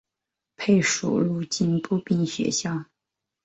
配属陆军步兵学校。